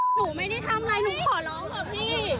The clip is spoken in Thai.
หนูไม่ได้ทำอะไรหนูขอร้องเถอะพี่